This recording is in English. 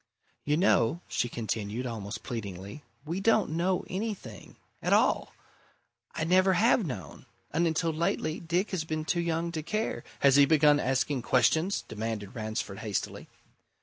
"You know," she continued, almost pleadingly. "We don't know anything at all. I never have known, and until lately Dick has been too young to care " "Has he begun asking questions?" demanded Ransford hastily.